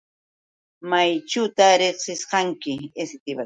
¿Mayćhuta riqsishqanki?